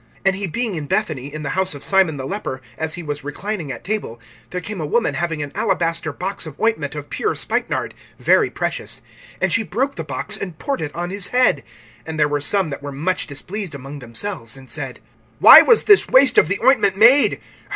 (3)And he being in Bethany, in the house of Simon the leper, as he was reclining at table, there came a woman having an alabaster box of ointment of pure spikenard, very precious; and she broke the box, and poured it on his head. (4)And there were some that were much displeased among themselves, and said: Why was this waste of the ointment made?